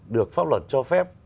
được pháp luật cho phép